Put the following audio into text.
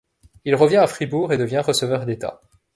Il revient à Fribourg et devient receveur d'État.